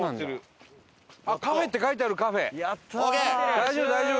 大丈夫大丈夫！